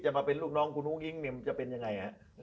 มาเป็นลูกน้องคุณอุ้งอิ๊งเนี่ยมันจะเป็นยังไงฮะ